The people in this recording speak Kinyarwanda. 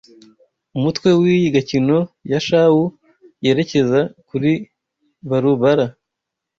Umutwe wiyi gakino ya Shawu yerekeza kuri Barubara